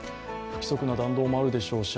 不規則な弾道もあるでしょうし